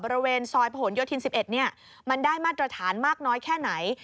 บริเวณซอยผนโยธิน๑๑มันได้มาตรฐานมากน้อยแค่ไหน